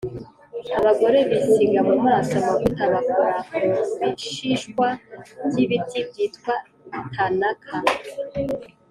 Abagore bisiga mu maso amavuta bakora mu bishishwa by ibiti byitwa thanaka